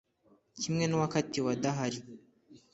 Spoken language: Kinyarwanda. kimwe n’uwakatiwe adahari